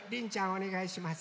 おねがいします。